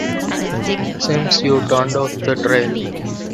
Seems you turned off the trail.